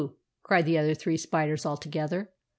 " cried the other three spiders all together.